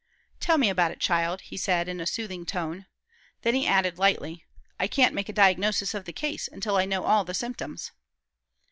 "Tell me all about it, child," he said, in a soothing tone. Then he added, lightly, "I can't make a diagnosis of the case until I know all the symptoms."